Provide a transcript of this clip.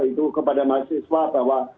itu kepada mahasiswa bahwa